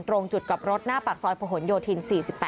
ตรงจุดกับรถหน้าปากซอยประหลโยธิน๔๘